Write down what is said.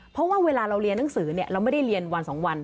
เพราะว่าเวลาเราเรียนหนังสือเราไม่ได้เรียนวัน๒วัน